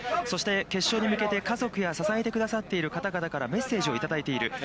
そして、決勝に向けて家族や支えてくださっている方々からメッセージをいただいている。